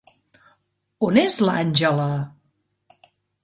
On és l'Àngela?